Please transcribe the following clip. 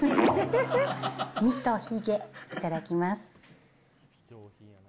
実とひげ、いただきます。